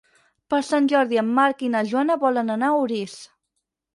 Per Sant Jordi en Marc i na Joana volen anar a Orís.